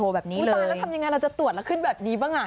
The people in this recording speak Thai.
คุณตายแล้วทำยังไงเราจะตรวจแล้วขึ้นแบบนี้บ้างอ่ะ